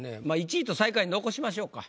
１位と最下位残しましょうか。